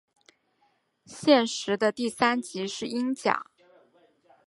现时的第三级为英甲。